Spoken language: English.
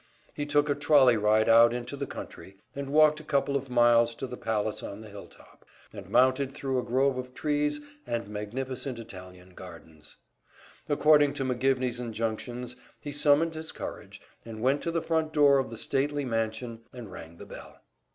He took a trolley ride out into the country, and walked a couple of miles to the palace on the hilltop, and mounted thru a grove of trees and magnificent Italian gardens. According to McGivney's injunctions, he summoned his courage, and went to the front door of the stately mansion and rang the bell.